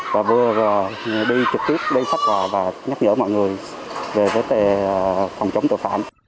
và vừa đi trực tiếp đi phát hòa và nhắc nhở mọi người về vết tệ phòng chống tội phạm